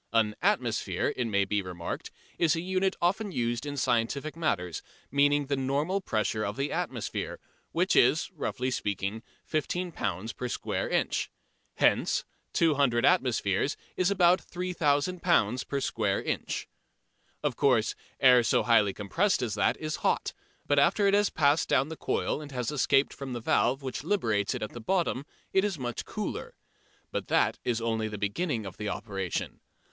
An "atmosphere," it may be remarked, is a unit often used in scientific matters, meaning the normal pressure of the atmosphere, which is, roughly speaking, 15 lb. per square inch. Hence 200 atmospheres is about 3000 lb. per square inch. Of course air so highly compressed as that is hot, but after it has passed down the coil and has escaped from the valve which liberates it at the bottom it is much cooler. But that is only the beginning of the operation.